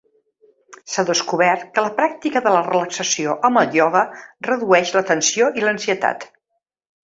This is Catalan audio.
S'ha descobert que la pràctica de la relaxació amb el ioga redueix la tensió i l'ansietat.